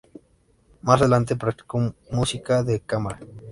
Más adelante practicó música de cámara.